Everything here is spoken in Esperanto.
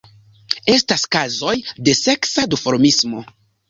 Estas kazoj de seksa duformismo.